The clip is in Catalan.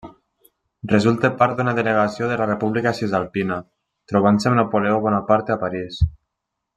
Resulta part d'una delegació de la República Cisalpina, trobant-se amb Napoleó Bonaparte a París.